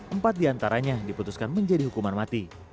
empat diantaranya diputuskan menjadi hukuman mati